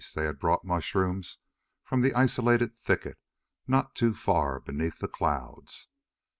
They had brought mushroom from the isolated thicket not too far beneath the clouds.